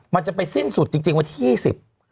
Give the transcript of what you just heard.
มันจะไปสิ้นสุดจริงวันที่๒๐